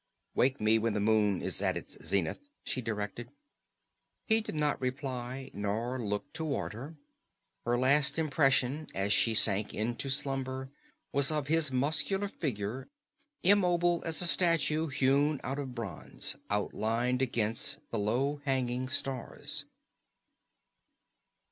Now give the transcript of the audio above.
"Wake me when the moon is at its zenith," she directed. He did not reply nor look toward her. Her last impression, as she sank into slumber, was of his muscular figure, immobile as a statue hewn out of bronze, outlined against the low hanging stars.